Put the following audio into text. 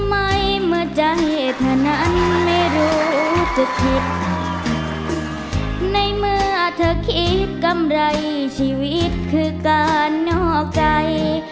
ในเมื่อเธอคิดกำไรชีวิตคือการนอกใจ